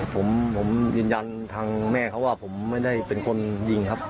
ผมยืนยันทางแม่เขาว่าผมไม่ได้เป็นคนยิงครับ